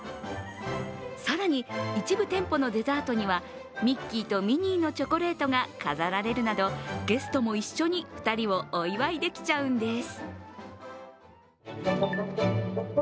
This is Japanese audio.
更に一部店舗のデザートにはミッキーとミニーのチョコレートが飾られるなどゲストも一緒に２人をお祝いできちゃうんです。